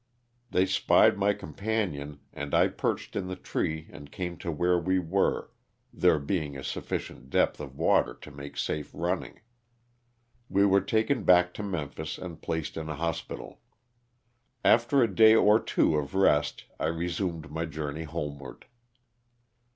They spied my companion and I perched in the tree and came to where we were, there being a sufficient depth of water to make safe running. We were taken back to Memphis and placed in a hospital. After a day or two of rest I resumed my journey homeward.